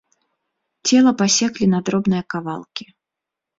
Цела пасеклі на дробныя кавалкі.